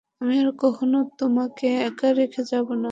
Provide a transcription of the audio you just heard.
আমি আর কখনো তোমাকে একা রেখে যাবো না!